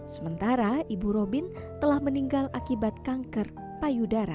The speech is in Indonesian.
sementara ibu robin telah meninggal akibat kanker payudara